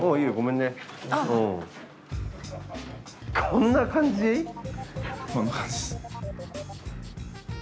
こんな感じです。